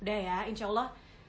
udah ya insya allah